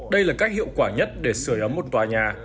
đây là cách hiệu quả nhất để sửa ấm một tòa nhà